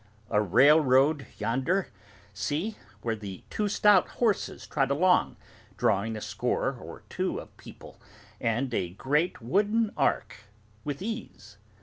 A railroad yonder, see, where two stout horses trot along, drawing a score or two of people and a great wooden ark, with ease.